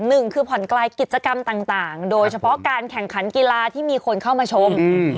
หนึ่งคือผ่อนคลายกิจกรรมต่างโดยเฉพาะการแข่งขันกีฬาที่มีคนเข้ามาชม